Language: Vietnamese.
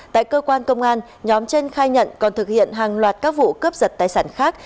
tại cơ quan công an nhóm trên khai nhận còn thực hiện hàng loạt các vụ cướp giật tài sản khác